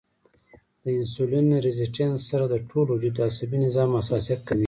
د انسولين ريزسټنس سره د ټول وجود د عصبي نظام حساسیت کميږي